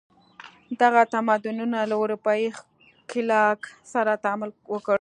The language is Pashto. دغه تمدنونو له اروپايي ښکېلاک سره تعامل وکړ.